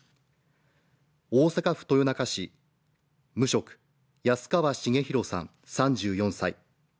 大阪府豊中市、無職・安川重裕さん３４歳。